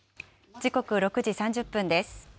時刻、６時３０分です。